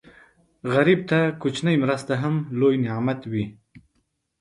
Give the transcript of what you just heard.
غریب ته کوچنۍ مرسته هم لوی نعمت وي